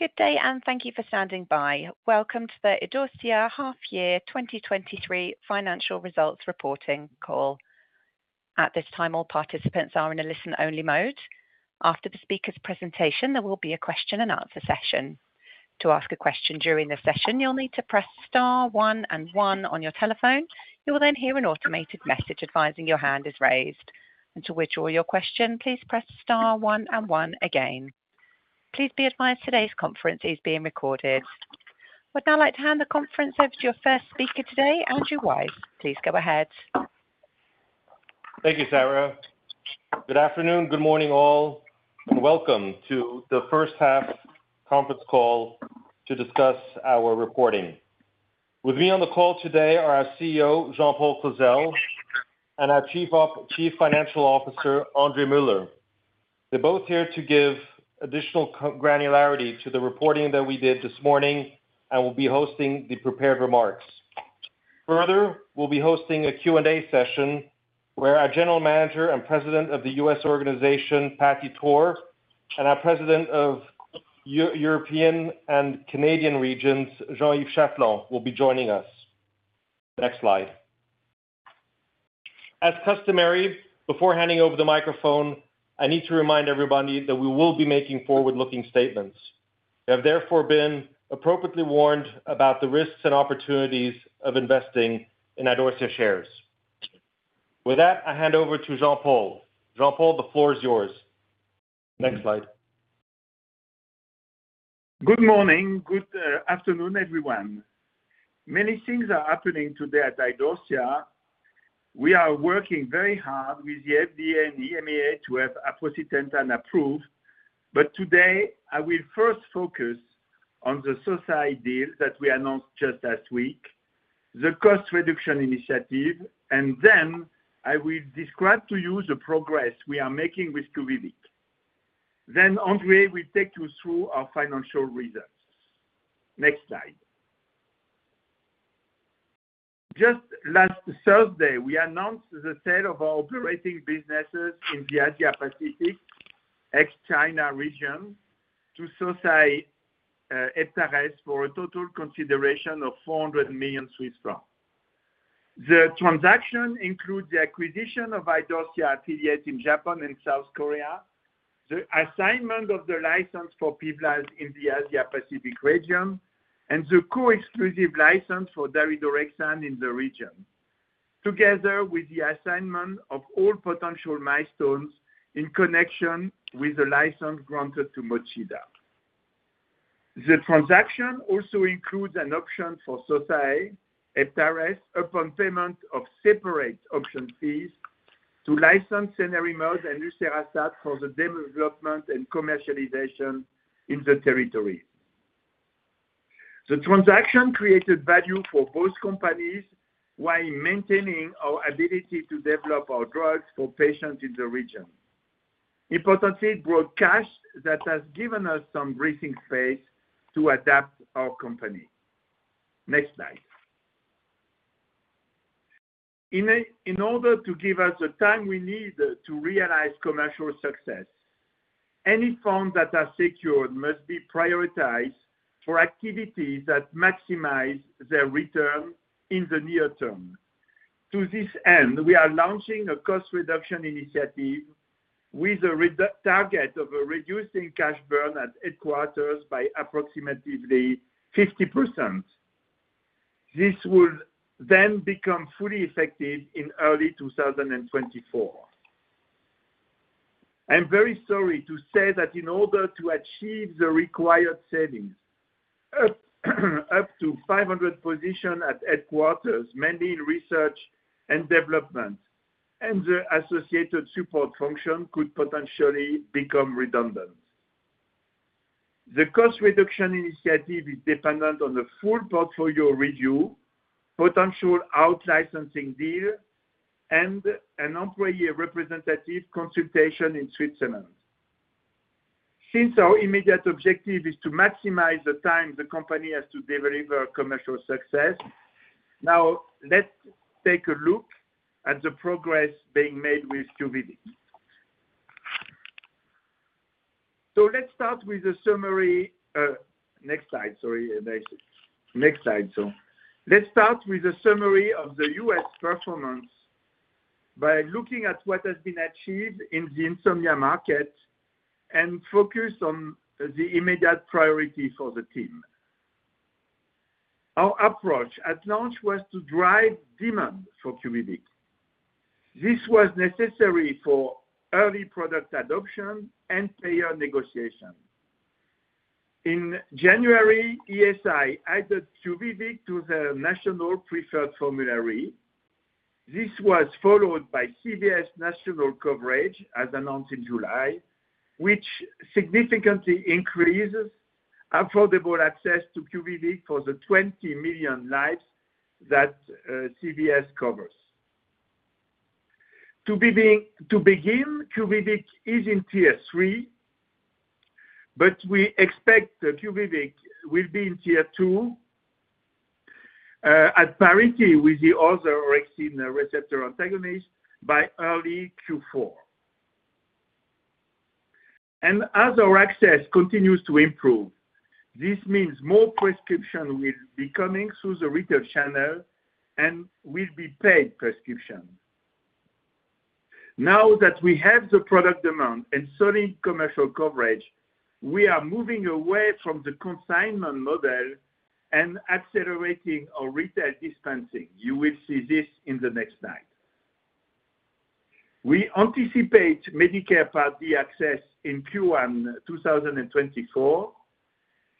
Good day, and thank you for standing by. Welcome to the Idorsia half-year 2023 Financial Results Reporting Call. At this time, all participants are in a listen-only mode. After the speaker's presentation, there will be a question and answer session. To ask a question during the session, you'll need to press star one and one on your telephone. You will then hear an automated message advising your hand is raised. To withdraw your question, please press star one and one again. Please be advised today's conference is being recorded. I'd now like to hand the conference over to your first speaker today, Andrew Weiss. Please go ahead. Thank you, Sarah. Good afternoon. Good morning, all, and welcome to the first half conference call to discuss our reporting. With me on the call today are our CEO, Jean-Paul Clozel, and our Chief Financial Officer, André Muller. They're both here to give additional co-granularity to the reporting that we did this morning and will be hosting the prepared remarks. Further, we'll be hosting a Q&A session where our General Manager and President of the U.S. organization, Patty Torr, and our President of European and Canadian regions, Jean-Yves Chatelan, will be joining us. Next slide. As customary, before handing over the microphone, I need to remind everybody that we will be making forward-looking statements. You have therefore been appropriately warned about the risks and opportunities of investing in Idorsia shares. With that, I hand over to Jean-Paul. Jean-Paul, the floor is yours. Next slide. Good morning. Good afternoon, everyone. Many things are happening today at Idorsia. We are working very hard with the FDA and the EMA to have Aprocitentan approved, today I will first focus on the society that we announced just last week, the cost reduction initiative, and then I will describe to you the progress we are making with QUVIVIQ. André will take you through our financial results. Next slide. Just last Thursday, we announced the sale of our operating businesses in the Asia Pacific, ex-China region, to Sosei Heptares, for a total consideration of 400 million Swiss francs. The transaction includes the acquisition of Idorsia affiliates in Japan and South Korea, the assignment of the license for Pival in the Asia-Pacific region, and the co-exclusive license for daridorexant in the region, together with the assignment of all potential milestones in connection with the license granted to Mochida. The transaction also includes an option for Sosei Heptares, upon payment of separate option fees, to license and for the development and commercialization in the territory. The transaction created value for both companies while maintaining our ability to develop our drugs for patients in the region. Importantly, it brought cash that has given us some breathing space to adapt our company. Next slide. In order to give us the time we need to realize commercial success, any funds that are secured must be prioritized for activities that maximize their return in the near term. To this end, we are launching a cost reduction initiative with a target of reducing cash burn at headquarters by approximately 50%. This will then become fully effective in early 2024. I'm very sorry to say that in order to achieve the required savings, up to 500 position at headquarters, mainly in research and development, and the associated support function could potentially become redundant. The cost reduction initiative is dependent on the full portfolio review, potential out licensing deal, and an employee representative consultation in Switzerland. Since our immediate objective is to maximize the time the company has to deliver commercial success, now, let's take a look at the progress being made with QUVIVIQ. Let's start with a summary, next slide. Sorry, guys. Next slide. Let's start with a summary of the US performance by looking at what has been achieved in the insomnia market and focus on the immediate priority for the team. Our approach at launch was to drive demand for QUVIVIQ. This was necessary for early product adoption and payer negotiation. In January, ESI added QUVIVIQ to the national preferred formulary. This was followed by CVS national coverage, as announced in July, which significantly increases affordable access to QUVIVIQ for the 20 million lives that CVS covers. To begin, QUVIVIQ is in tier 3, but we expect that QUVIVIQ will be in tier 2 at parity with the other orexin receptor antagonist by early Q4. As our access continues to improve, this means more prescription will be coming through the retail channel and will be paid prescription. Now that we have the product demand and solid commercial coverage, we are moving away from the consignment model and accelerating our retail dispensing. You will see this in the next slide. We anticipate Medicare Part D access in Q1 2024.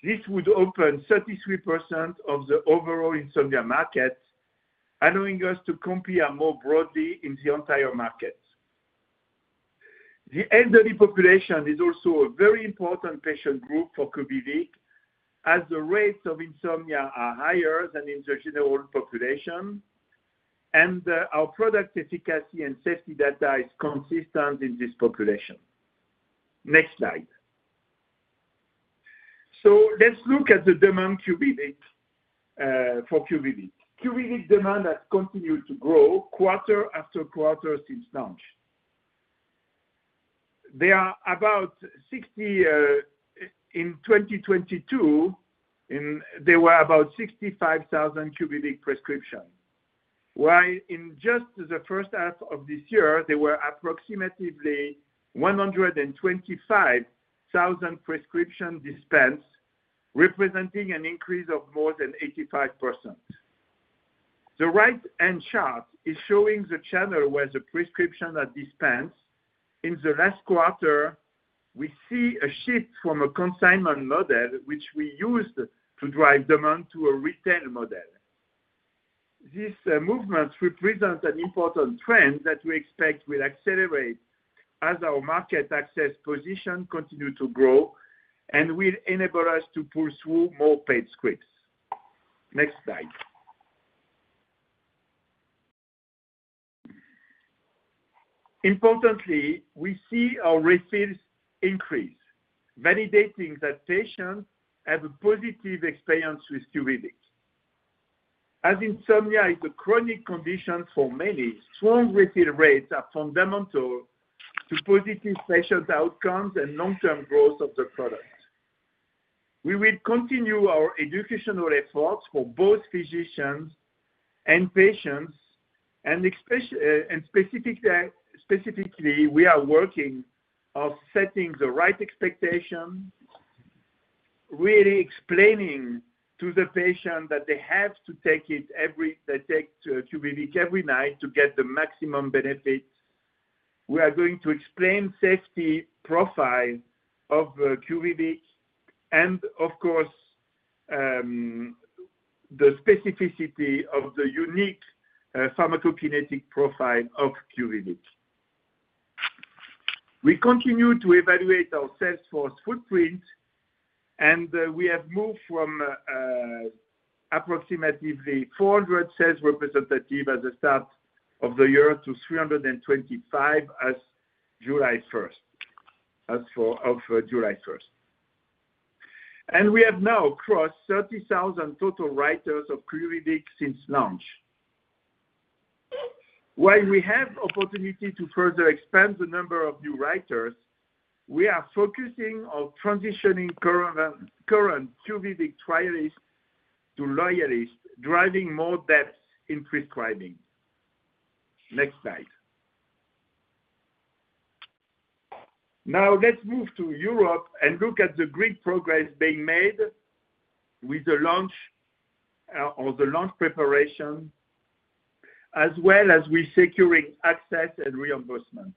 This would open 33% of the overall insomnia market, allowing us to compete more broadly in the entire market. The elderly population is also a very important patient group for QUVIVIQ, as the rates of insomnia are higher than in the general population, and our product efficacy and safety data is consistent in this population. Next slide. Let's look at the demand QUVIVIQ for QUVIVIQ. QUVIVIQ demand has continued to grow quarter after quarter since launch. There are about 60 in 2022, and there were about 65,000 QUVIVIQ prescription. While in just the first half of this year, there were approximately 125,000 prescription dispensed, representing an increase of more than 85%. The right-hand chart is showing the channel where the prescription are dispensed. In the last quarter, we see a shift from a consignment model, which we used to drive demand to a retail model. This movement represents an important trend that we expect will accelerate as our market access position continue to grow and will enable us to pursue more paid scripts. Next slide. Importantly, we see our refills increase, validating that patients have a positive experience with QUVIVIQ. As insomnia is a chronic condition for many, strong refill rates are fundamental to positive patient outcomes and long-term growth of the product. We will continue our educational efforts for both physicians and patients, specifically, we are working on setting the right expectation, really explaining to the patient that they have to take QUVIVIQ every night to get the maximum benefits. We are going to explain safety profile of QUVIVIQ, and of course, the specificity of the unique pharmacokinetic profile of QUVIVIQ. We continue to evaluate our sales force footprint. We have moved from approximately 400 sales representative at the start of the year to 325 as July 1st. As for of July 1st. We have now crossed 30,000 total writers of QUVIVIQ since launch. While we have opportunity to further expand the number of new writers, we are focusing on transitioning current QUVIVIQ trialists to loyalists, driving more depth in prescribing. Next slide. Let's move to Europe and look at the great progress being made with the launch, or the launch preparation, as well as we securing access and reimbursement.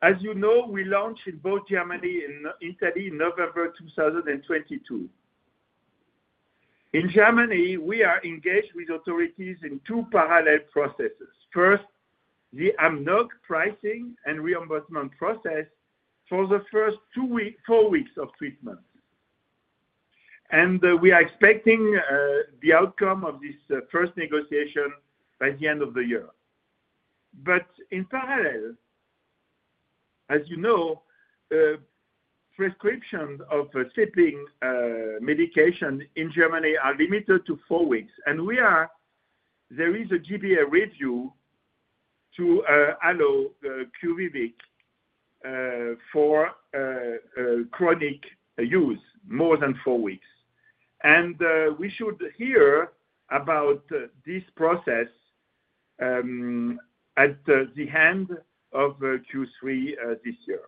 As you know, we launched in both Germany and Italy in November 2022. In Germany, we are engaged with authorities in two parallel processes. First, the AMNOG pricing and reimbursement process for the first four weeks of treatment. We are expecting the outcome of this first negotiation by the end of the year. In parallel, as you know, prescriptions of sleeping medication in Germany are limited to 4 weeks, there is a G-BA review to allow QUVIVIQ for chronic use, more than 4 weeks. We should hear about this process at the end of Q3 this year.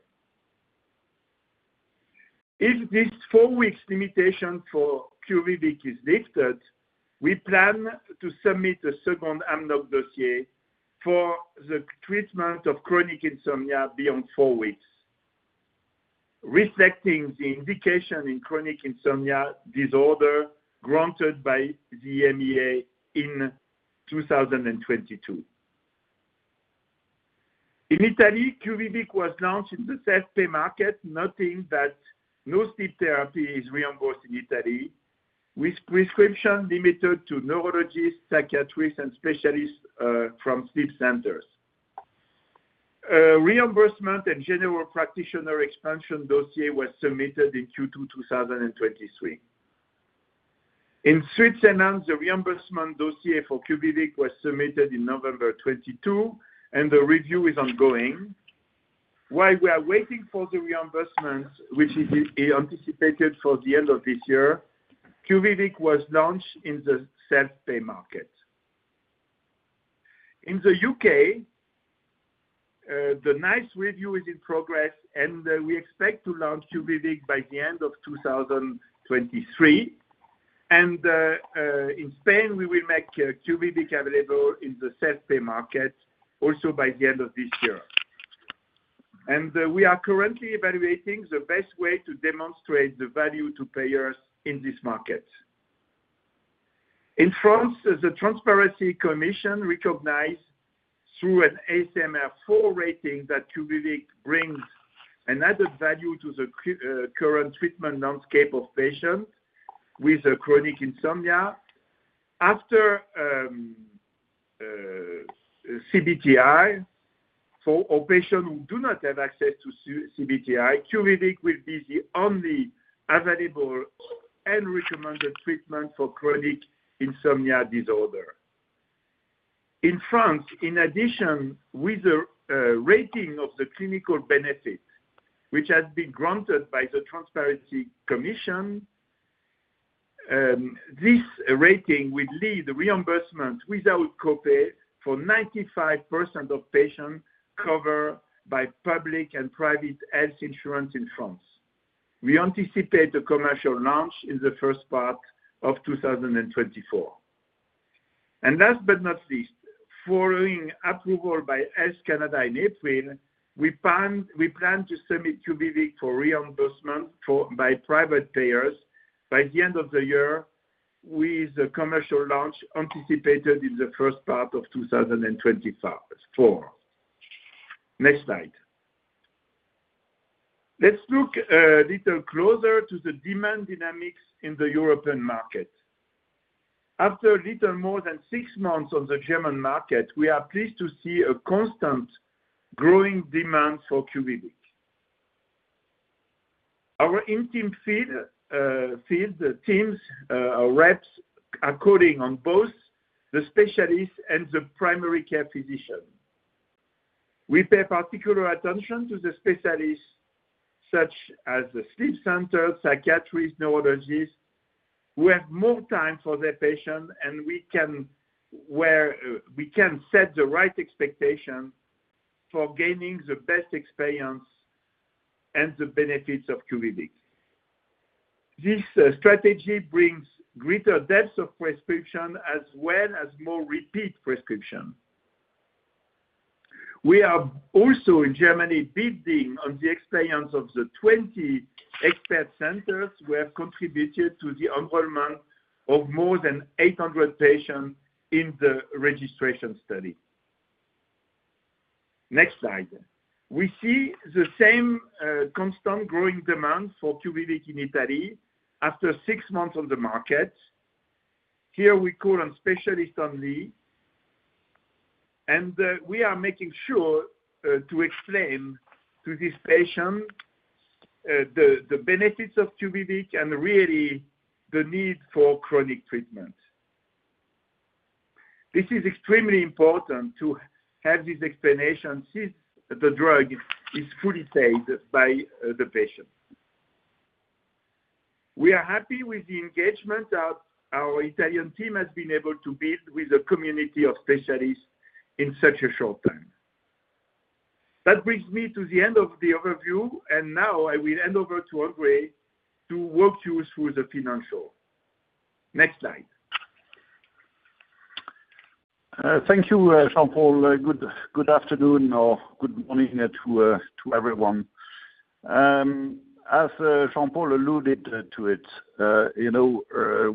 If this 4 weeks limitation for QUVIVIQ is lifted, we plan to submit a second AMNOG dossier for the treatment of chronic insomnia beyond 4 weeks, reflecting the indication in chronic insomnia disorder granted by the MEA in 2022. In Italy, QUVIVIQ was launched in the self-pay market, noting that no sleep therapy is reimbursed in Italy, with prescription limited to neurologists, psychiatrists, and specialists from sleep centers. Reimbursement and general practitioner expansion dossier was submitted in Q2, 2023. In Switzerland, the reimbursement dossier for QUVIVIQ was submitted in November 2022, and the review is ongoing. While we are waiting for the reimbursement, which is anticipated for the end of this year, QUVIVIQ was launched in the self-pay market. In the U.K., the NICE review is in progress, and we expect to launch QUVIVIQ by the end of 2023. In Spain, we will make QUVIVIQ available in the self-pay market, also by the end of this year. We are currently evaluating the best way to demonstrate the value to payers in this market. In France, the Transparency Commission recognized through an ASMR four rating, that QUVIVIQ brings an added value to the current treatment landscape of patients with a chronic insomnia. After CBTI, for all patients who do not have access to CBTI, QUVIVIQ will be the only available and recommended treatment for chronic insomnia disorder. In France, in addition, with the rating of the clinical benefit, which has been granted by the Transparency Commission, this rating will lead the reimbursement without copay for 95% of patients covered by public and private health insurance in France. We anticipate the commercial launch in the first part of 2024. Last but not least, following approval by Health Canada in April, we plan to submit QUVIVIQ for reimbursement for, by private payers by the end of the year, with the commercial launch anticipated in the first part of 2024. Next slide. Let's look little closer to the demand dynamics in the European market. After little more than 6 months on the German market, we are pleased to see a constant growing demand for QUVIVIQ. Our field teams, reps are calling on both the specialists and the primary care physician. We pay particular attention to the specialists, such as the sleep center, psychiatrists, neurologists, who have more time for their patients, and we can set the right expectation for gaining the best experience and the benefits of QUVIVIQ. This strategy brings greater depth of prescription, as well as more repeat prescription. We are also in Germany, building on the experience of the 20 expert centers, who have contributed to the enrollment of more than 800 patients in the registration study. Next slide. We see the same constant growing demand for QUVIVIQ in Italy after 6 months on the market. Here we call on specialists only, and we are making sure to explain to these patients the benefits of QUVIVIQ, and really the need for chronic treatment. This is extremely important to have this explanation, since the drug is fully paid by the patient. We are happy with the engagement that our Italian team has been able to build with a community of specialists in such a short time. That brings me to the end of the overview, now I will hand over to André, to walk you through the financial. Next slide. Thank you, Jean-Paul. Good, good afternoon or good morning to everyone. As Jean-Paul alluded to it, you know, we're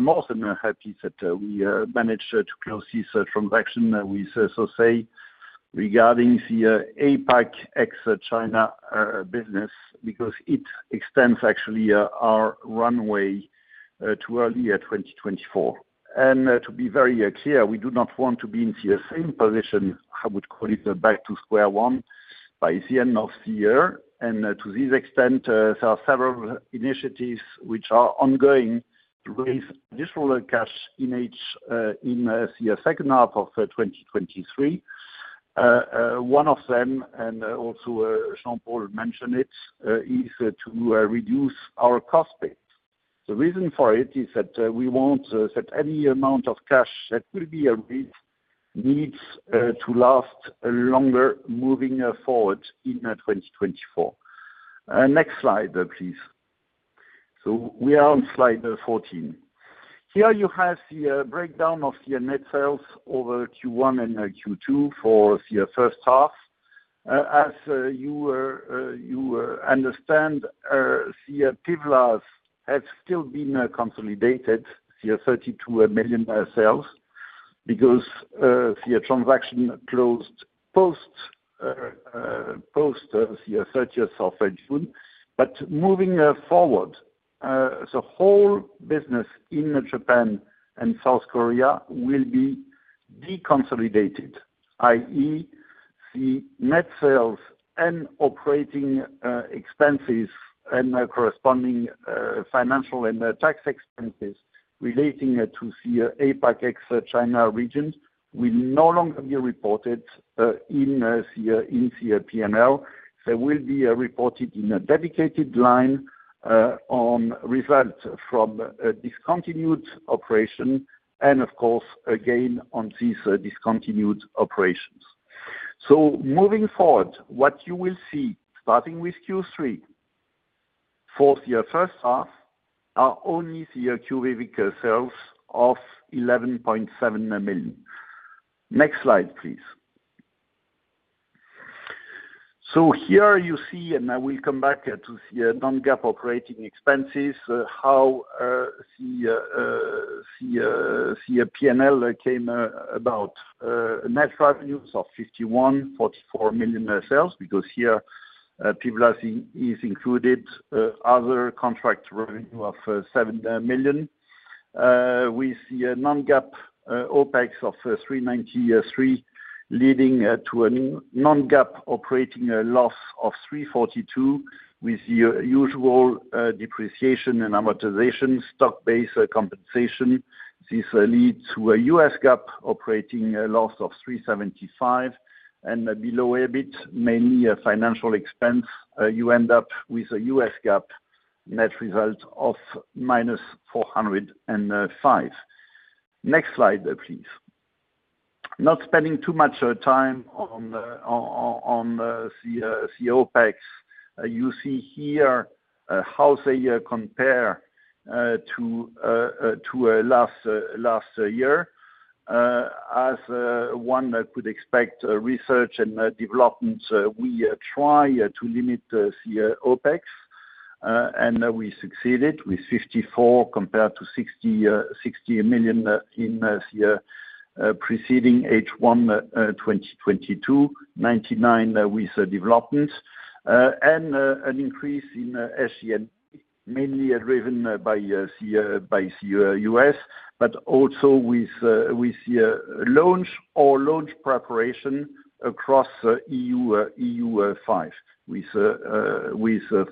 more than happy that we managed to close this transaction with Sosei regarding the APAC ex-China business, because it extends actually our runway to early 2024. To be very clear, we do not want to be in the same position, I would call it the back to square one, by the end of the year. To this extent, there are several initiatives which are ongoing to raise additional cash in each in the second half of 2023. One of them, also Jean-Paul Clozel mentioned it, is to reduce our cost base. The reason for it is that we want that any amount of cash that will be raised needs to last longer moving forward in 2024. Next slide, please. We are on slide 14. Here you have the breakdown of the net sales over Q1 and Q2 for the first half. As you understand, the Tivla have still been consolidated, the $32 million sales because the transaction closed post...... Post the third year of Food, but moving forward, the whole business in Japan and South Korea will be deconsolidated, i.e., the net sales and operating expenses, and the corresponding financial and tax expenses relating to the APAC ex-China regions will no longer be reported in the P&L. They will be reported in a dedicated line on result from a discontinued operation, and of course, again, on these discontinued operations. Moving forward, what you will see, starting with Q3, for the first half, are only the QRV sales of $11.7 million. Next slide, please. Here you see, and I will come back to the non-GAAP operating expenses, how the P&L came about, net revenues of $51.4 million sales because here people are included other contract revenue of $7 million. With the non-GAAP of $393, leading to a non-GAAP operating loss of $342, with the usual depreciation and amortization stock-based compensation. This leads to a US GAAP operating loss of $375, and below a bit, mainly a financial expense, you end up with a US GAAP net result of minus $405. Next slide, please. Not spending too much time on the OPEX. You see here, how they compare to last year. As one could expect, research and development, we try to limit the OpEx, and we succeeded with 54 million compared to 60 million in the preceding H1 2022. 99 million with the development and an increase in SCN, mainly driven by the US, but also with the launch or launch preparation across EU five, with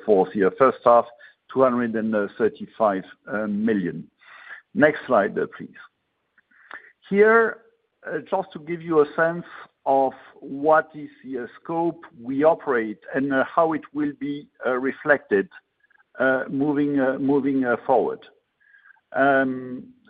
for the first half, 235 million. Next slide, please. Here, just to give you a sense of what is the scope we operate and how it will be reflected moving forward.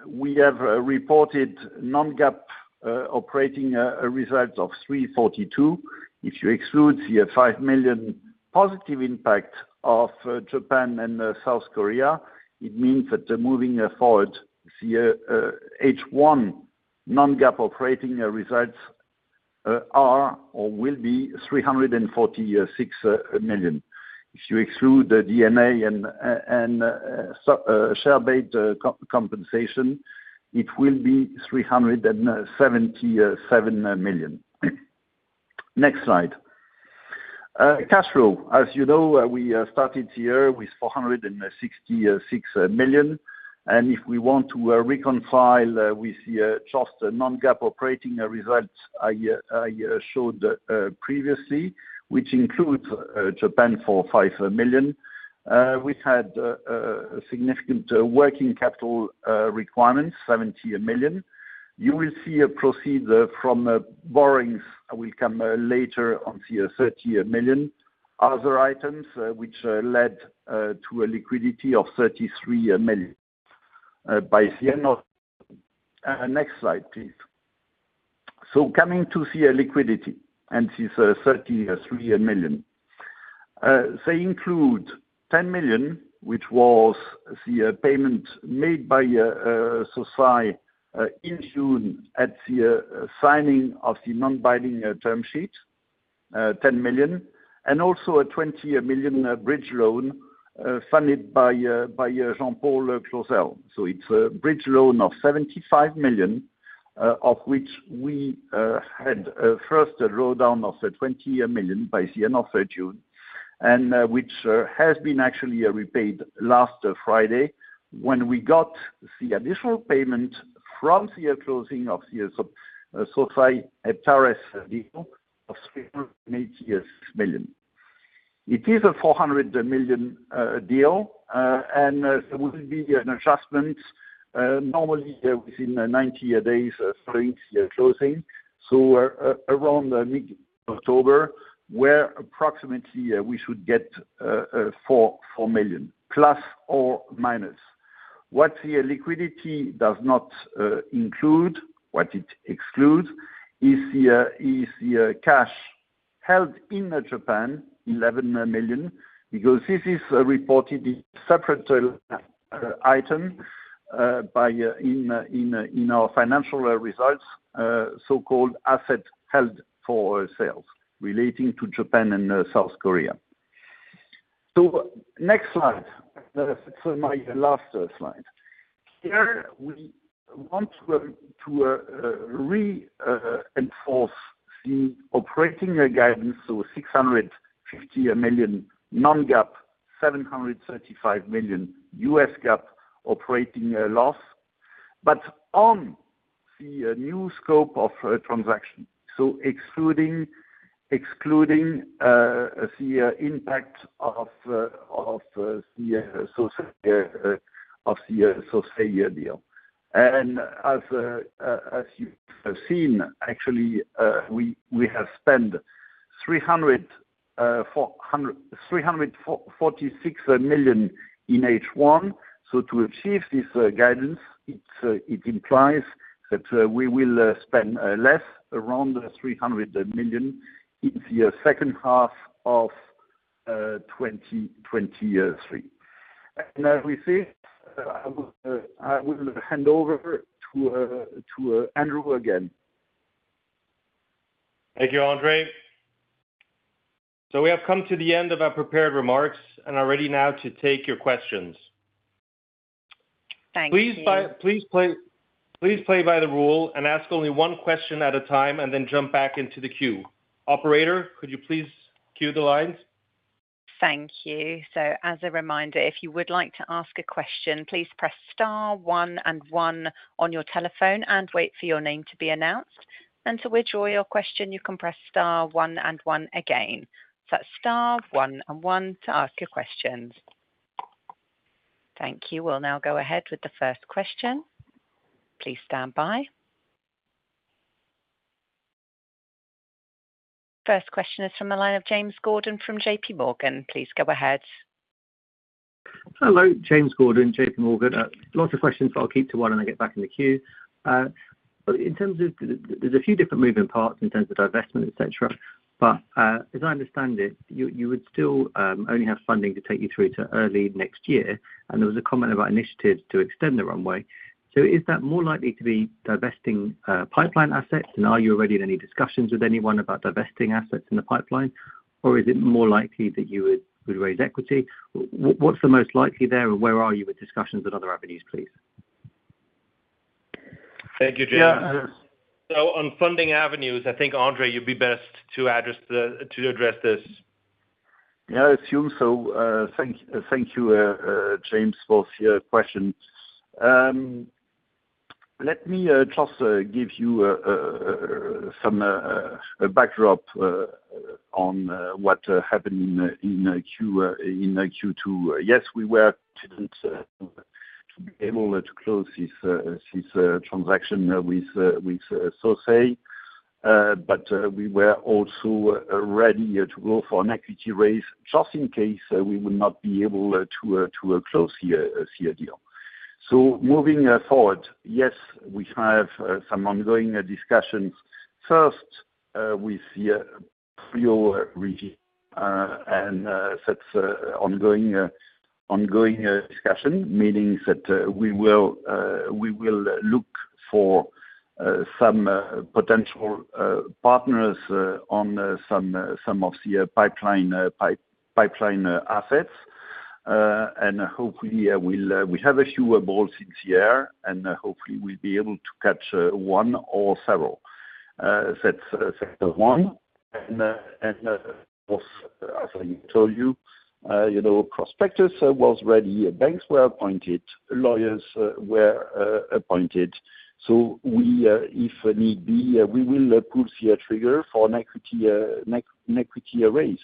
We have reported non-GAAP operating result of $342 million. If you exclude the $5 million positive impact of Japan and South Korea, it means that moving forward, the H1 non-GAAP operating results are or will be $346 million. If you exclude the DNA and share-based compensation, it will be $377 million. Next slide. Cash flow. As you know, we started the year with $466 million, and if we want to reconcile with the just non-GAAP operating results I showed previously, which includes Japan for $5 million. We've had significant working capital requirements, $70 million. You will see a proceed from borrowings will come later on the 30 million. Other items which led to a liquidity of 33 million by the end of. Next slide, please. Coming to the liquidity, and this 33 million. They include 10 million, which was the payment made by Socei in June, at the signing of the non-binding term sheet, 10 million, and also a 20 million bridge loan funded by Jean-Paul Clozel. It's a bridge loan of $75 million, of which we had first drawdown of the $20 million by the end of June, and which has been actually repaid last Friday when we got the additional payment from the closing of the Sosei Heptares deal of $386 million. It is a $400 million deal, and there will be an adjustment, normally within 90 days, for the closing. Around mid-October, where approximately, we should get ±$4 million. What the liquidity does not include, what it excludes, is the cash held in Japan, $11 million, because this is reported in separate item by in our financial results, so-called asset held for sales relating to Japan and South Korea. Next slide. My last slide. Here, we want to re-enforce the operating guidance, $650 million non-GAAP, $735 million US GAAP operating loss. On the new scope of transaction, excluding the impact of the Sosei deal. As you have seen, actually, we have spent $346 million in H1, so to achieve this guidance, it implies that we will spend less, around $300 million in the second half of 2023. As we say, I will hand over to Andrew again. Thank you, André. We have come to the end of our prepared remarks and are ready now to take your questions. Thanks, team. Please play by the rule and ask only one question at a time, and then jump back into the queue. Operator, could you please queue the lines? Thank you. As a reminder, if you would like to ask a question, please press star one and one on your telephone and wait for your name to be announced. To withdraw your question, you can press star one and one again. Star one and one to ask your questions. Thank you. We'll now go ahead with the first question. Please stand by. First question is from the line of James Gordon from JPMorgan. Please go ahead. Hello, James Gordon, JP Morgan. Lots of questions I'll keep to 1, and I get back in the queue. There's a few different moving parts in terms of divestment, et cetera. As I understand it, you would still only have funding to take you through to early next year, and there was a comment about initiatives to extend the runway. Is that more likely to be divesting pipeline assets? Are you already in any discussions with anyone about divesting assets in the pipeline, or is it more likely that you would raise equity? What's the most likely there, and where are you with discussions and other avenues, please? Thank you, James. Yeah. On funding avenues, I think, André, you'd be best to address the, to address this. Yeah, I assume so. Thank you, James, for your question. Let me just give you some backdrop on what happened in Q2. Yes, we were able to close this transaction with Sosei. We were also ready to go for an equity raise just in case we would not be able to close the deal. Moving forward, yes, we have some ongoing discussions, first with the trio review, and that's ongoing discussion. Meaning that, we will look for some potential partners on some of the pipeline assets. Hopefully, we have a fewer balls in the air, and hopefully, we'll be able to catch 1 or several. That's factor 1. As I told you know prospectus was ready, banks were appointed, lawyers were appointed. We, if need be, we will pull the trigger for an equity raise.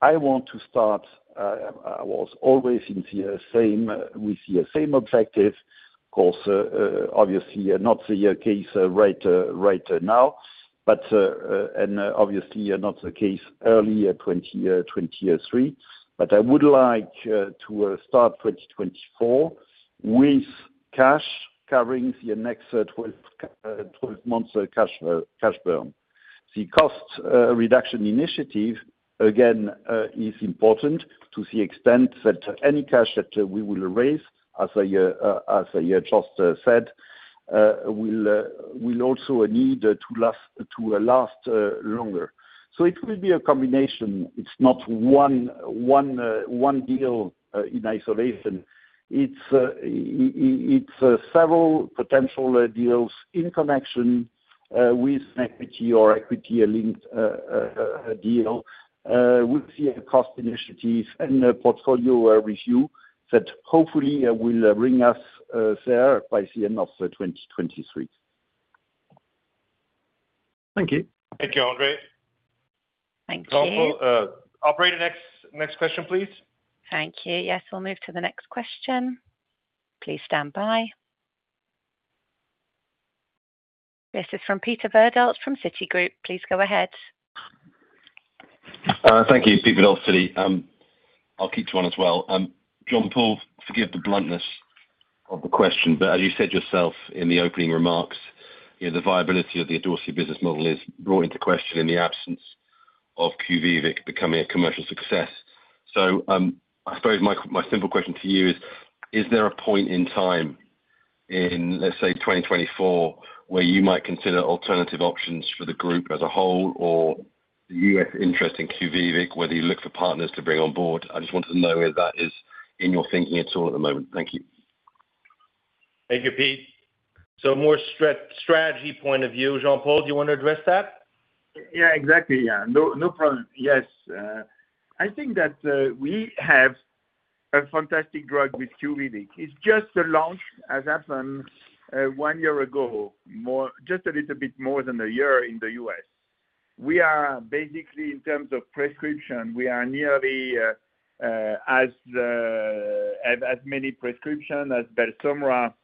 I want to start, I was always in the same with the same objective, of course, obviously, not the case right now, but obviously not the case early at 2023. I would like to start 2024 with cash covering the next 12 months cash burn. The cost reduction initiative, again, is important to the extent that any cash that we will raise, as I just said, will also need to last longer. It will be a combination. It's not one deal in isolation. It's several potential deals in connection with equity or equity linked deal with the cost initiatives and the portfolio review that hopefully will bring us there by the end of 2023. Thank you. Thank you, André. Thank you. operator, next question, please. Thank you. Yes, we'll move to the next question. Please stand by. This is from Peter Verdult, from Citigroup. Please go ahead. Thank you, Peter Verdult, Citi. I'll keep to one as well. Jean-Paul, forgive the bluntness of the question, but as you said yourself in the opening remarks, you know, the viability of the Idorsia business model is brought into question in the absence of QUVIVIQ becoming a commercial success. I suppose my simple question to you is: Is there a point in time in, let's say, 2024, where you might consider alternative options for the group as a whole or U.S. interest in QUVIVIQ, whether you look for partners to bring on board. I just wanted to know if that is in your thinking at all at the moment. Thank you. Thank you, Pete. More strategy point of view. Jean-Paul, do you want to address that? Yeah, exactly. Yeah. No, no problem. Yes, I think that we have a fantastic drug with QUVIVIQ. It's just the launch has happened, 1 year ago, more, just a little bit more than a year in the U.S. We are basically, in terms of prescription, we are nearly as many prescription as Belsomra,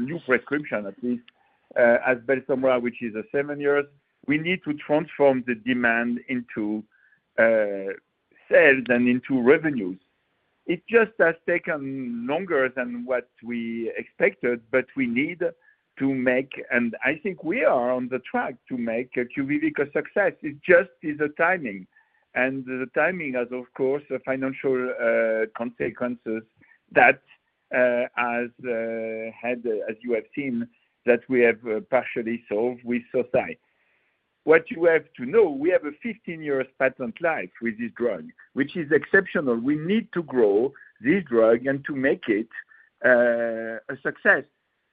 new prescription, at least, as Belsomra, which is 7 years. We need to transform the demand into sales and into revenues. It just has taken longer than what we expected, but we need to make... and I think we are on the track to make a QUVIVIQ a success. It just is a timing, and the timing has, of course, financial consequences that as had, as you have seen, that we have partially solved with society. What you have to know, we have a 15-year patent life with this drug, which is exceptional. We need to grow this drug and to make it a success.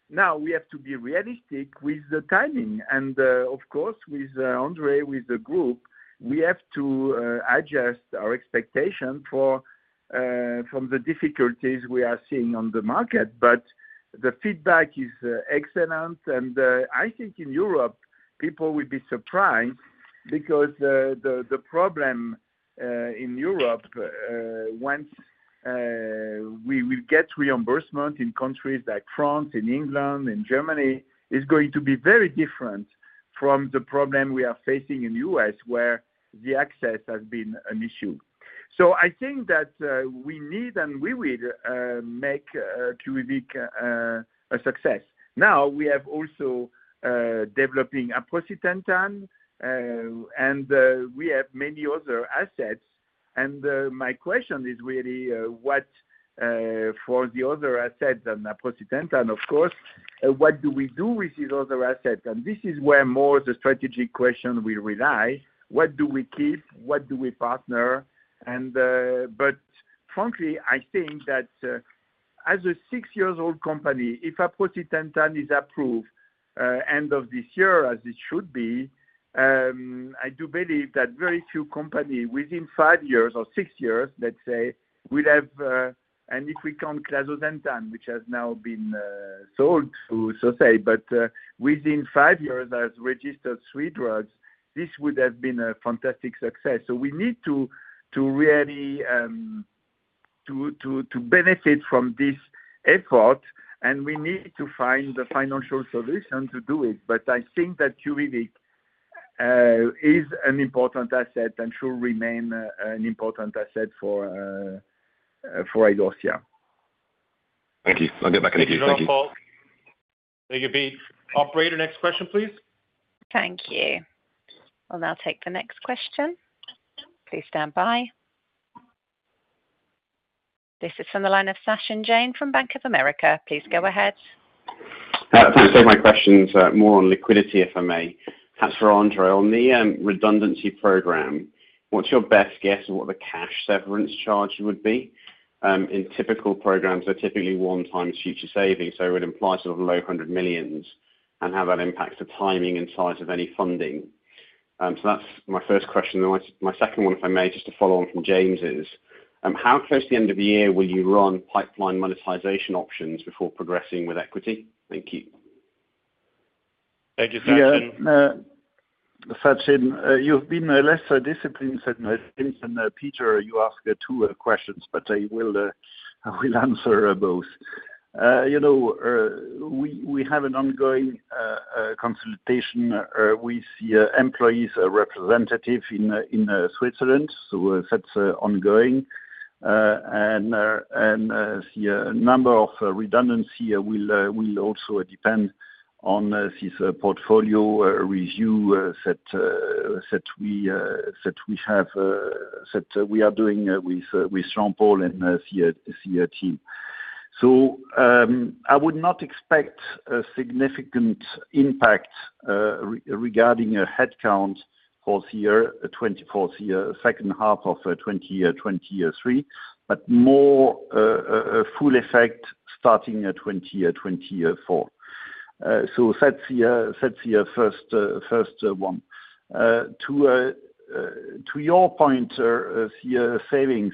Now, we have to be realistic with the timing, and of course, with André, with the group, we have to adjust our expectation for from the difficulties we are seeing on the market. The feedback is excellent, and I think in Europe, people will be surprised because the problem in Europe, once we will get reimbursement in countries like France, in England, in Germany, is going to be very different from the problem we are facing in the US, where the access has been an issue. I think that we need and we will make QUVIVIQ a success. Now, we have also developing Aprocitentan, and we have many other assets. My question is really what for the other assets and Aprocitentan, of course, what do we do with these other assets? This is where more the strategic question will rely. What do we keep? What do we partner? Frankly, I think that as a six-years-old company, if Aprocitentan is approved end of this year, as it should be, I do believe that very few company within five years or six years, let's say, will have and if we count clazosentan, which has now been sold to Sosai. Within five years, as registered three drugs, this would have been a fantastic success. We need to really benefit from this effort, and we need to find the financial solution to do it. I think that QUVIVIQ is an important asset and should remain an important asset for Idorsia. Thank you. I'll get back to you. Thank you. Thank you, Jean-Paul. Thank you, Pete. Operator, next question, please. Thank you. We'll now take the next question. Please stand by. This is from the line of Sachin Jain from Bank of America. Please go ahead. Thanks. My question is more on liquidity, if I may. That's for André. On the redundancy program, what's your best guess on what the cash severance charge would be? In typical programs, they're typically one times future savings, it implies sort of low hundred millions CHF and how that impacts the timing and size of any funding. That's my first question. My, my second one, if I may, just to follow on from James's, how close to the end of the year will you run pipeline monetization options before progressing with equity? Thank you. Thank you, Sachin. Yeah, Sachin, you've been less disciplined than Peter. You asked 2 questions, but I will answer both. You know, we have an ongoing consultation with the employees representative in Switzerland, so that's ongoing. The number of redundancy will also depend on this portfolio review that we are doing with Jean-Paul Clozel and the team. I would not expect a significant impact regarding a headcount for the year, 2024, second half of 2023, but more full effect starting at 2024. That's the first one. To your point, the savings,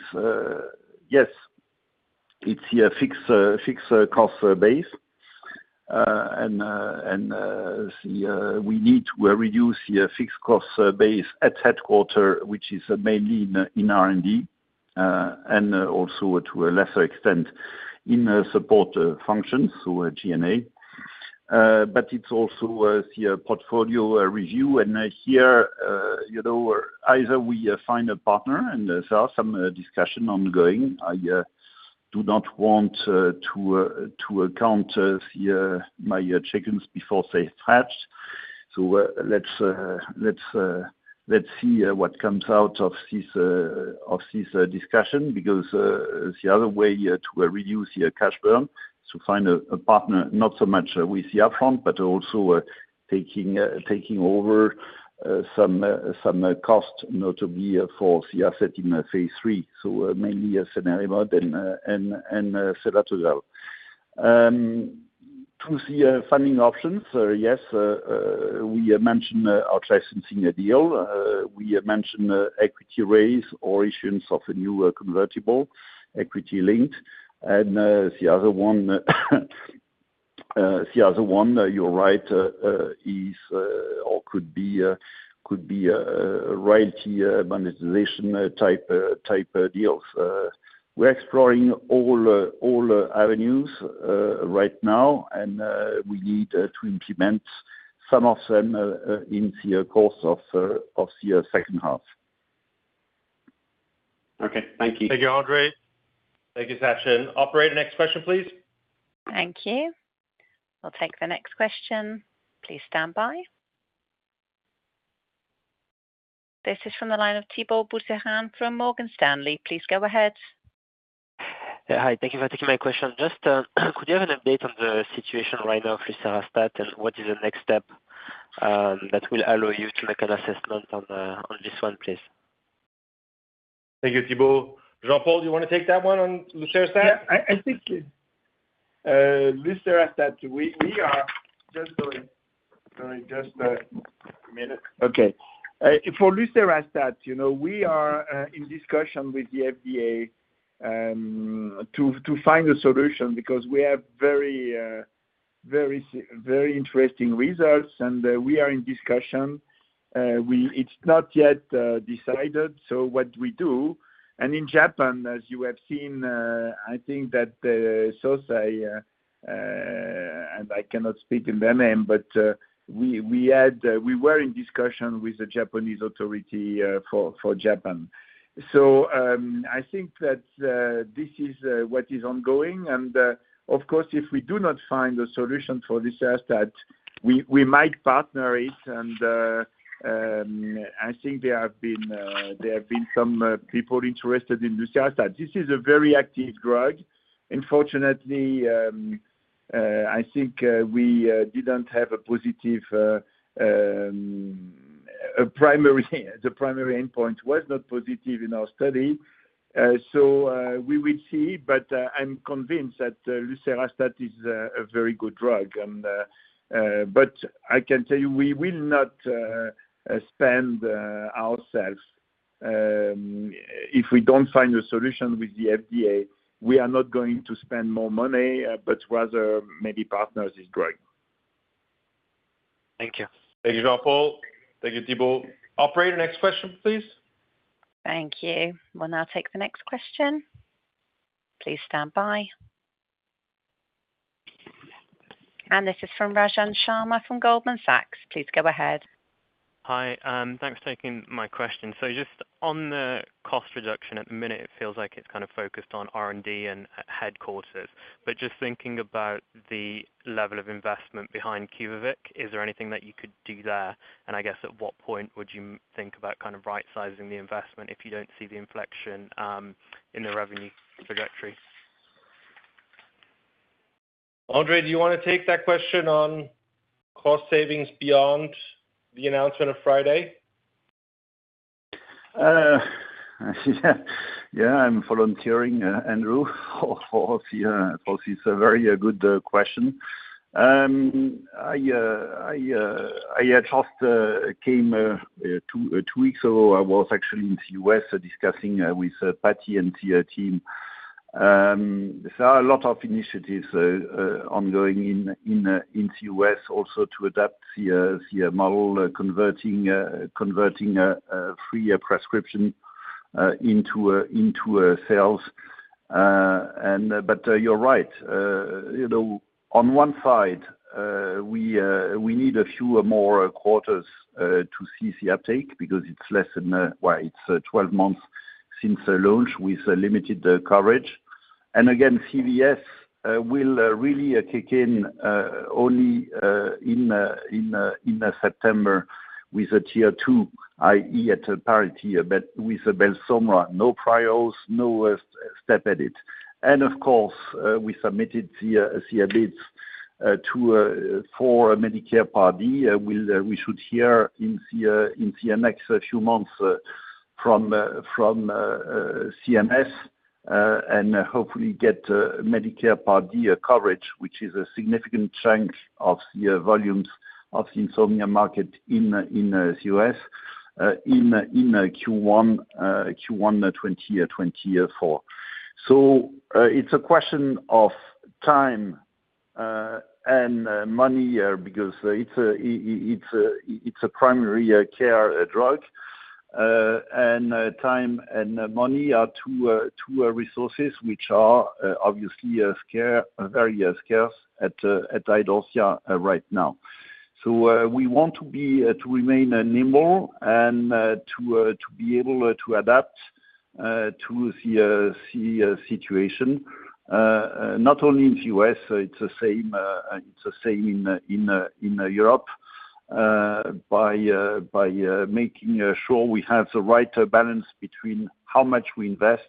yes, it's a fixed cost base. The we need to reduce the fixed cost base at headquarter, which is mainly in R&D, and also to a lesser extent, in the support functions, so GNA. It's also the portfolio review, and here, you know, either we find a partner, and there are some discussion ongoing. I do not want to account the my chickens before they hatch. Let's see what comes out of this discussion, because the other way to reduce the cash burn, to find a partner, not so much with the upfront, but also taking over some cost, you know, to be for the asset in the phase 3. Mainly a scenario mode and set that as well. To the funding options, yes, we mentioned our licensing deal. We mentioned equity raise or issuance of a new convertible equity link. The other one, you're right, is or could be a royalty monetization type deals. We're exploring all avenues right now, and we need to implement some of them into your course of the second half. Okay. Thank you. Thank you, André. Thank you, Sachin. Operator, next question, please. Thank you. We'll take the next question. Please stand by. This is from the line of Thibault Boutherin from Morgan Stanley. Please go ahead. Yeah. Hi, thank you for taking my question. Just, could you have an update on the situation right now for Lucerastat? What is the next step that will allow you to make an assessment on this one, please? Thank you, Thibault. Jean-Paul, do you want to take that one on Lucerastat? Yeah. I think Lucerastat, we are just going just a minute. Okay. For Lucerastat, you know, we are in discussion with the FDA to find a solution because we have very interesting results, and we are in discussion. It's not yet decided, so what we do. In Japan, as you have seen, I think that Sosai, and I cannot speak in their name, but we had we were in discussion with the Japanese authority for Japan. I think that this is what is ongoing. Of course, if we do not find a solution for Lucerastat, we might partner it, and I think there have been some people interested in Lucerastat. This is a very active drug. Unfortunately, I think we didn't have a positive, a primary, the primary endpoint was not positive in our study. We will see, but I'm convinced that Lucerastat is a very good drug. But I can tell you, we will not spend ourselves. If we don't find a solution with the FDA, we are not going to spend more money, but rather maybe partners is growing. Thank you. Thank you, Jean-Paul. Thank you, Thibault. Operator, next question, please. Thank you. We'll now take the next question. Please stand by. This is from Rajan Sharma from Goldman Sachs. Please go ahead. Hi. Thanks for taking my question. Just on the cost reduction, at the minute, it feels like it's kind of focused on R&D and headquarters. Just thinking about the level of investment behind QUVIVIQ, is there anything that you could do there? I guess, at what point would you think about kind of rightsizing the investment if you don't see the inflection in the revenue trajectory? André, do you wanna take that question on cost savings beyond the announcement of Friday? Yeah. I'm volunteering, Andrew, for the, for it's a very good question. I just came two weeks ago. I was actually in the U.S. discussing with Patty and the team. There are a lot of initiatives ongoing in the U.S. also to adapt the model converting free prescription into a sales. You're right. You know, on one side, we need a few or more quarters to see the uptake because it's less than, well, it's 12 months since the launch with limited coverage. Again, CVS will really kick in only in September with a tier two, i.e., at parity, but with the BELSOMRA, no priors, no step edit. Of course, we submitted the bids to for Medicare Party. We'll, we should hear in the next few months from CMS and hopefully get Medicare Party coverage, which is a significant chunk of the volumes of the insomnia market in U.S. in Q1 2024. It's a question of time and money because it's a primary care drug. Time and money are two resources, which are obviously scarce, very scarce at Idorsia right now. We want to remain nimble and to be able to adapt, to the situation, not only in the U.S., it's the same in Europe. By making sure we have the right balance between how much we invest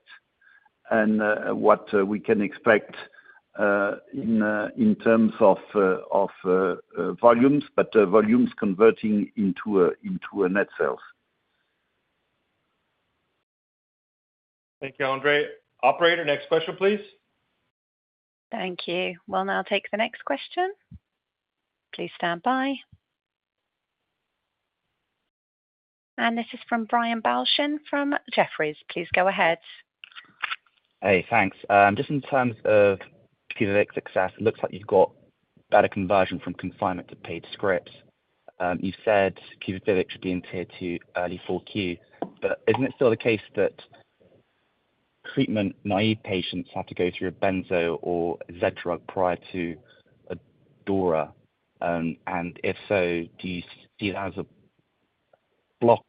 and what we can expect in terms of volumes, but volumes converting into a net sales. Thank you, André. Operator, next question, please. Thank you. We'll now take the next question. Please stand by. This is from Brian Balshan from Jefferies. Please go ahead. Hey, thanks. Just in terms of QVIVIQ success, it looks like you've got better conversion from confinement to paid scripts. You said QVIVIQ should be in tier two, early 4Q. Isn't it still the case that treatment naive patients have to go through a benzo or Z drug prior to DORA? If so, do you see it as a block?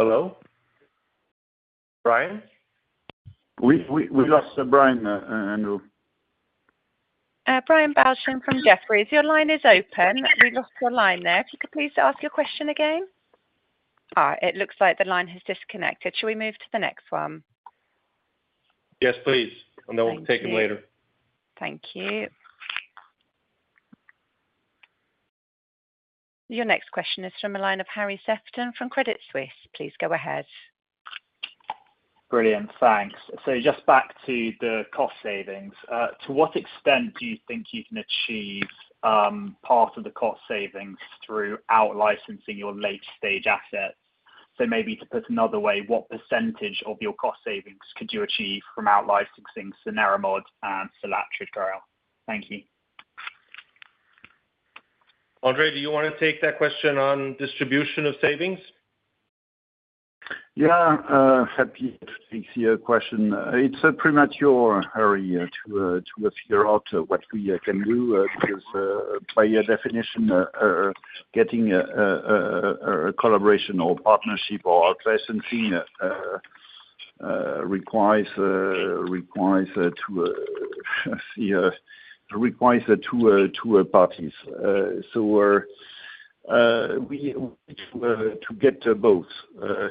[inaudible] Hello? Brian? We lost Brian Andrew. Brian Balshan from Jeffries, your line is open. We lost your line there. If you could please ask your question again. It looks like the line has disconnected. Should we move to the next one? Yes, please. Thank you. We'll take him later. Thank you. Your next question is from the line of Harry Sefton from Credit Suisse. Please go ahead. Brilliant. Thanks. Just back to the cost savings. To what extent do you think you can achieve part of the cost savings through out licensing your late stage assets? Maybe to put another way, what percentage of your cost savings could you achieve from out-licensing, Cenerimod and selatogrel? Thank you. André, do you want to take that question on distribution of savings? Yeah, happy to take the question. It's a premature, Harry, to figure out what we can do, because by your definition, getting a collaboration or partnership or out licensing requires to see two parties. So we're to get both.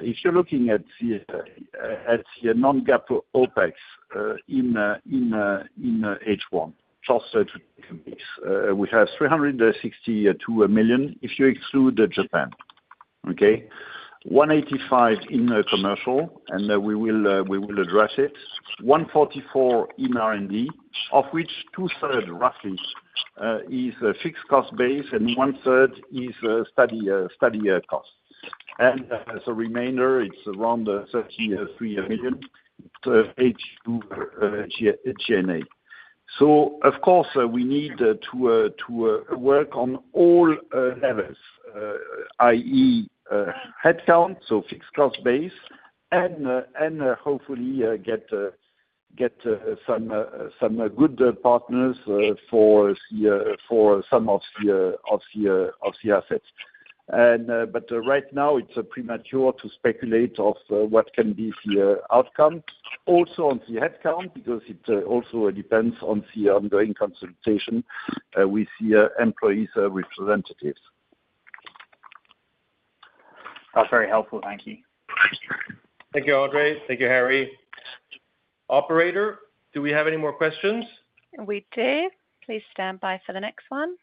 If you're looking at the non-GAAP OpEx in H1, we have $362 million, if you exclude the Japan. Okay? $185 million in commercial, and we will address it. $144 million in R&D, of which two-third, roughly, is a fixed cost base, and one third is study costs. As a remainder, it's around $33 million, so H2 GNA. Of course, we need to work on all levels, i.e., headcount, so fixed cost base, and hopefully, get some good partners for some of the assets. Right now, it's premature to speculate of what can be the outcome also on the headcount, because it also depends on the ongoing consultation with the employees representatives. That's very helpful. Thank you. Thank you, André. Thank you, Harry. Operator, do we have any more questions? We do. Please stand by for the next one.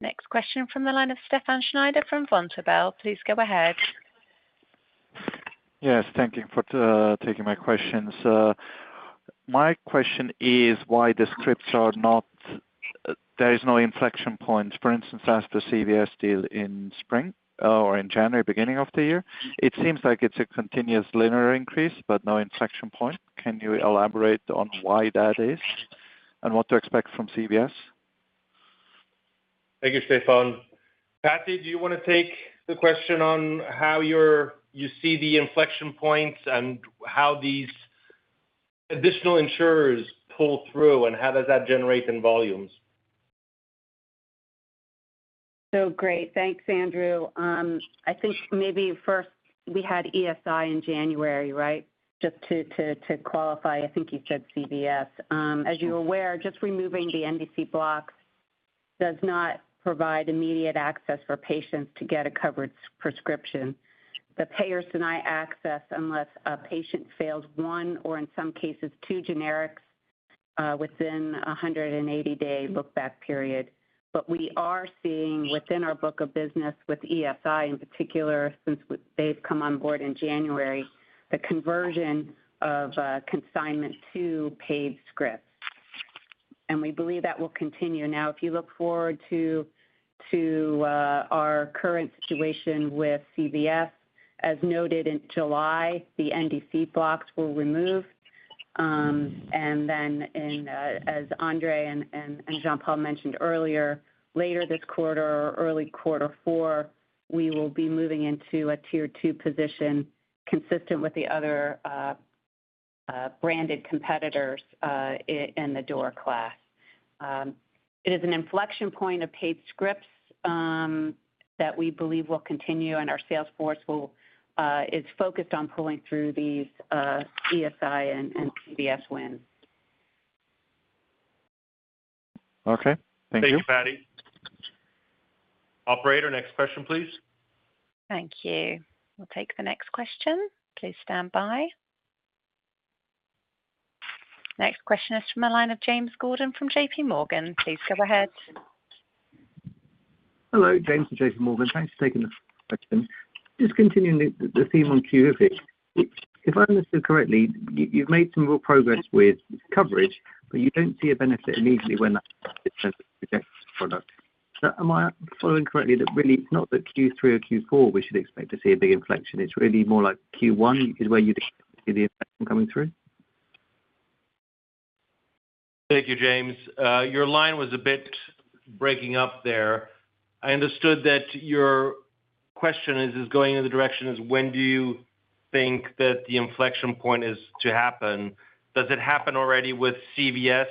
Next question from the line of Stefan Schneider from Vontobel. Please go ahead Yes, thank you for taking my questions. My question is, why the scripts There is no inflection point, for instance, as the CVS deal in spring or in January, beginning of the year. It seems like it's a continuous linear increase, but no inflection point. Can you elaborate on why that is and what to expect from CVS? Thank you, Stefan. Patty, do you want to take the question on how you see the inflection points and how these additional insurers pull through, and how does that generate in volumes? Great. Thanks, Andrew. I think maybe first we had ESI in January, right? Just to qualify, I think you said CVS. As you're aware, just removing the NDC blocks does not provide immediate access for patients to get a covered prescription. The payers deny access unless a patient fails one or in some cases, two generics within a 180 day look back period. We are seeing within our book of business with ESI, in particular, since they've come on board in January, the conversion of consignment to paid scripts. We believe that will continue. Now, if you look forward to our current situation with CVS, as noted in July, the NDC blocks were removed. Then in, as André and Jean-Paul mentioned earlier, later this quarter or early Q4, we will be moving into a tier 2 position, consistent with the other branded competitors, in the door class. It is an inflection point of paid scripts that we believe will continue, and our sales force is focused on pulling through these ESI and CVS wins. Okay, thank you. Thank you, Patty. Operator, next question, please. Thank you. We'll take the next question. Please stand by. Next question is from the line of James Gordon from JP Morgan. Please go ahead. Hello, James from JP Morgan. Thanks for taking this question. Just continuing the theme on QUVIVIQ. If I understood correctly, you've made some real progress with coverage, but you don't see a benefit immediately when that product. Am I following correctly, that really it's not that Q3 or Q4 we should expect to see a big inflection? It's really more like Q1 is where you'd expect to see the inflection coming through. Thank you, James. Your line was a bit breaking up there. I understood that your question is going in the direction is: when do you think that the inflection point is to happen? Does it happen already with CVS,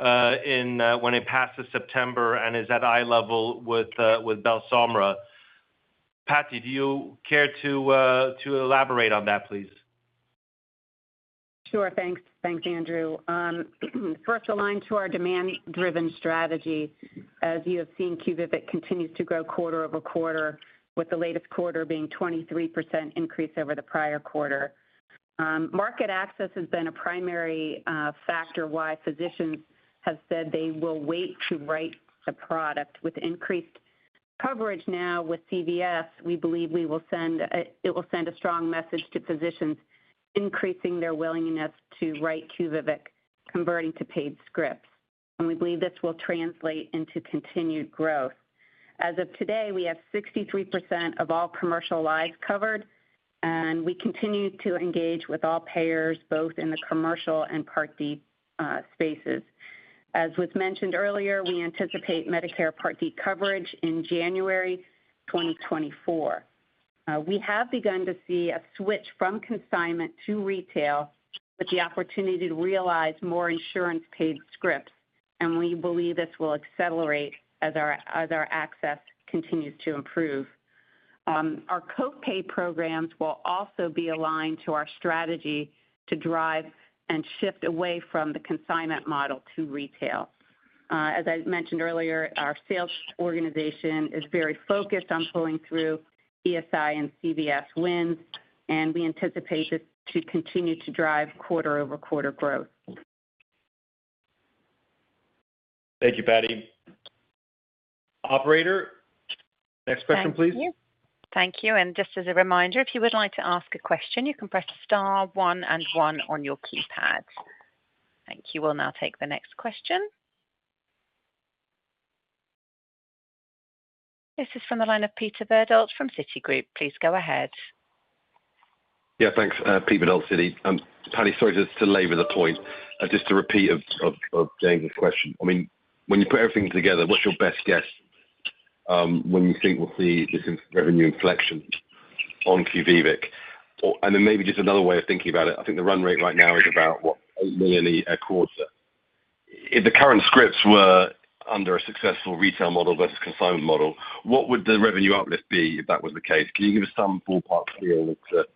when it passes September and is at eye level with Belsomra? Patty, do you care to elaborate on that, please? Sure. Thanks. Thanks, Andrew. First, aligned to our demand-driven strategy, as you have seen, QUVIVIQ continues to grow quarter-over-quarter, with the latest quarter being 23% increase over the prior quarter. Market access has been a primary factor why physicians have said they will wait to write the product. With increased coverage now with CVS, we believe it will send a strong message to physicians, increasing their willingness to write QUVIVIQ, converting to paid scripts, we believe this will translate into continued growth. As of today, we have 63% of all commercial lives covered, we continue to engage with all payers, both in the commercial and Part D spaces. As was mentioned earlier, we anticipate Medicare Part D coverage in January 2024. We have begun to see a switch from consignment to retail, with the opportunity to realize more insurance-paid scripts, and we believe this will accelerate as our access continues to improve. Our co-pay programs will also be aligned to our strategy to drive and shift away from the consignment model to retail. As I mentioned earlier, our sales organization is very focused on pulling through ESI and CVS wins, and we anticipate this to continue to drive quarter-over-quarter growth. Thank you, Patty. Operator, next question, please. Thank you. Thank you. Just as a reminder, if you would like to ask a question, you can press star one and one on your keypad. Thank you. We'll now take the next question. This is from the line of Peter Verdult from Citigroup. Please go ahead. Yeah, thanks. Pete Verdult, Citi. Patty, sorry, just to labor the point, just a repeat of James' question. I mean, when you put everything together, what's your best guess, when you think we'll see this in revenue inflection on QUVIVIQ? Maybe just another way of thinking about it, I think the run rate right now is about, what, $8 million a quarter. If the current scripts were under a successful retail model versus consignment model, what would the revenue uplift be if that was the case? Can you give us some ballpark feel of the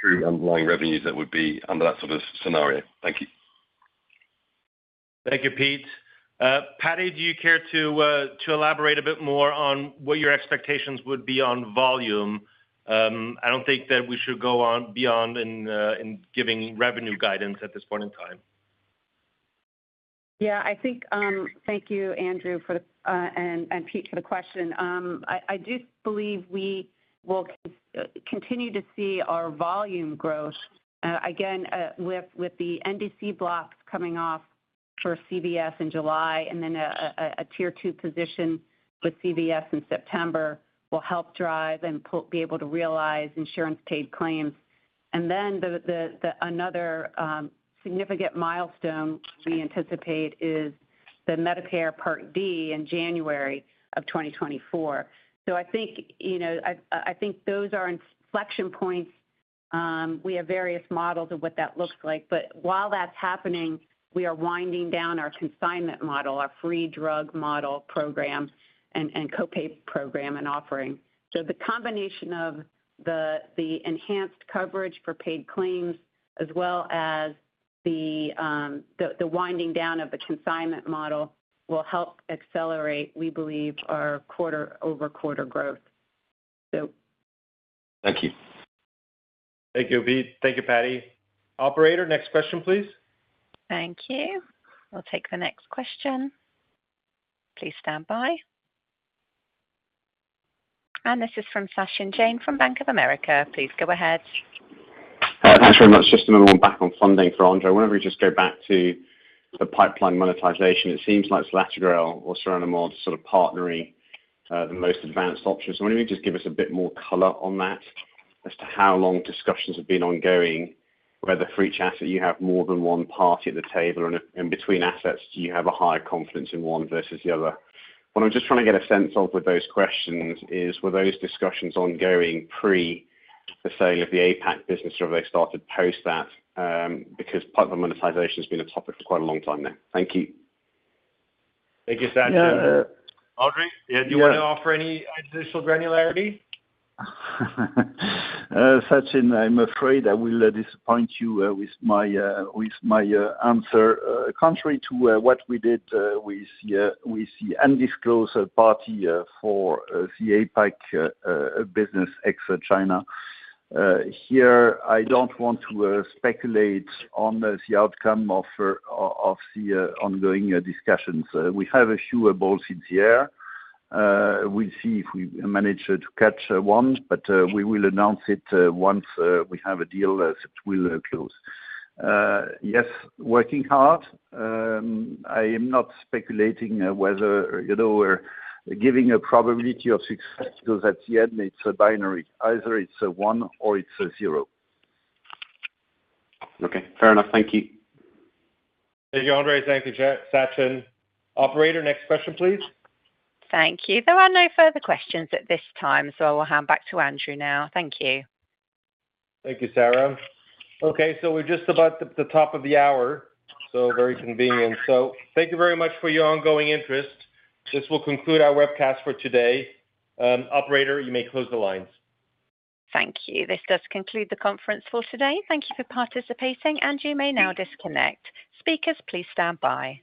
true underlying revenues that would be under that sort of scenario? Thank you. Thank you, Pete. Patty, do you care to elaborate a bit more on what your expectations would be on volume? I don't think that we should go on, beyond in giving revenue guidance at this point in time. Yeah, I think, thank you, Andrew, for the, and Pete, for the question. I do believe we will continue to see our volume growth again with the NDC blocks coming off for CVS in July and then a tier two position with CVS in September will help drive and be able to realize insurance paid claims. Another significant milestone we anticipate is the Medicare Part D in January of 2024. I think, you know, I think those are inflection points. We have various models of what that looks like, but while that's happening, we are winding down our consignment model, our free drug model program and co-pay program and offering. The combination of the enhanced coverage for paid claims, as well as the winding down of the consignment model, will help accelerate, we believe, our quarter-over-quarter growth. Thank you. Thank you, Pete. Thank you, Patty. Operator, next question, please. Thank you. We'll take the next question. Please stand by. This is from Sachin Jain, from Bank of America. Please go ahead. Thanks very much. Just another one back on funding for Andre. I want to just go back to the pipeline monetization. It seems like selatogrel or cenerimod sort of partnering, the most advanced options. Why don't you just give us a bit more color on that, as to how long discussions have been ongoing, whether the three chats that you have more than one party at the table, and between assets, do you have a higher confidence in one versus the other? What I'm just trying to get a sense of with those questions is, were those discussions ongoing pre the sale of the APAC business, or they started post that? Because part of the monetization has been a topic for quite a long time now. Thank you. Thank you, Sachin. Yeah. André, yeah, do you want to offer any additional granularity? Sachin, I'm afraid I will disappoint you with my answer. Contrary to what we did with the undisclosed party for the APAC business ex China. Here, I don't want to speculate on the outcome of the ongoing discussions. We have a few balls in the air. We'll see if we manage to catch one, but we will announce it once we have a deal that will close. Yes, working hard, I am not speculating whether, you know, we're giving a probability of success because at the end it's a binary. Either it's a 1 or it's a 0. Okay, fair enough. Thank you. Thank you, André. Thank you, Sachin. Operator, next question, please. Thank you. There are no further questions at this time, so I will hand back to Andrew now. Thank you. Thank you, Sarah. Okay, we're just about at the top of the hour, so very convenient. Thank you very much for your ongoing interest. This will conclude our webcast for today. Operator, you may close the lines. Thank you. This does conclude the conference for today. Thank you for participating, and you may now disconnect. Speakers, please stand by.